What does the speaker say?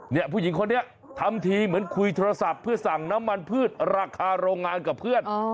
ผู้หญิงคนนี้ทำทีเหมือนคุยโทรศัพท์เพื่อสั่งน้ำมันพืชราคาโรงงานกับเพื่อน